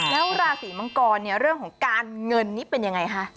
แล้วราศีมังกรเนี่ยเรื่องของการเงินนี่เป็นยังไงคะ